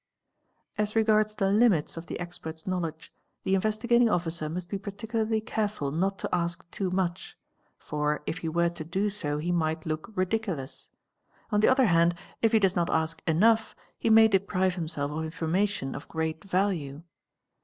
As regards the limits of the expert's knowledge, the Investigating fficer must be particularly careful not to ask too much, for if he were to i 9 so he might look ridiculous; on the other hand if he does not ask ough he may deprive himself of information of great value.